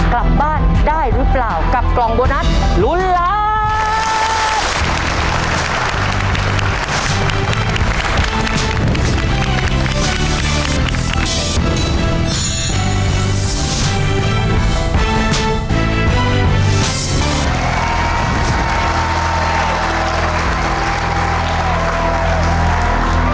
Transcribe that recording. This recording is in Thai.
กลับบ้านได้หรือเปล่ากับกล่องโบนัสลุ้นล้าน